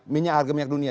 minyak harga minyak dunia